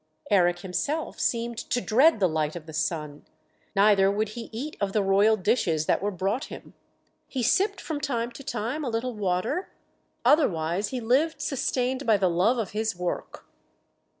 Eric himself seemed to dread the light of the sun; neither would he eat of the royal dishes that were brought him; he sipped from time to time a little water, otherwise he lived sustained by the love of his work.